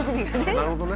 なるほどね。